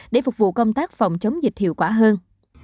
để phục vụ công tác phòng chống dịch hiệu quả hơn